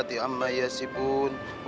terima kasih pak ustaz